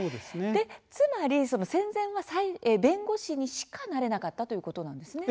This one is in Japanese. つまり戦前は弁護士にしかなれなかったということなんですね。